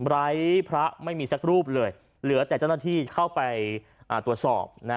ไร้พระไม่มีสักรูปเลยเหลือแต่เจ้าหน้าที่เข้าไปตรวจสอบ